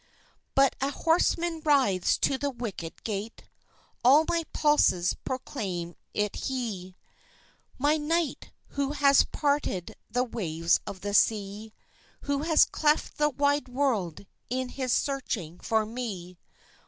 But a horseman rides to the wicket gate All my pulses proclaim it he, My knight who has parted the waves of the sea, Who has cleft the wide world in his searching for me....